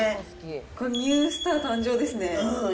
これ、ニュースター誕生ですね。